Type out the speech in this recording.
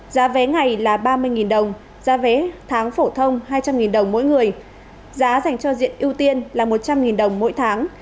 giá vé ngày là ba mươi đồng giá vé tháng phổ thông hai trăm linh đồng mỗi người giá dành cho diện ưu tiên là một trăm linh đồng mỗi tháng